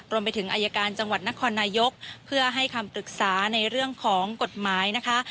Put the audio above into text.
รวมไปถึงอายการจังหวัดนครนายกเพื่อให้คำปรึกษาในเรื่องของกฎหมายนะคะ